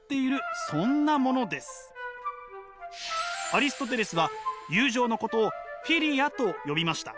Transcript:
アリストテレスは友情のことをフィリアと呼びました。